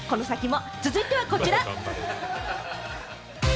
続いてはこちら。